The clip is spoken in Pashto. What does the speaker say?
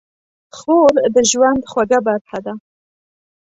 خور د ژوند خوږه برخه ده.